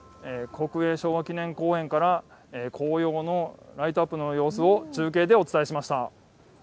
国営昭和記念公園から黄葉のライトアップの様子を中継でお伝えしました。